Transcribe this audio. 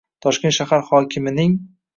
Toshkent shahar hokimining Kun